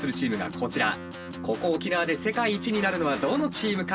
ここ沖縄で世界一になるのはどのチームか。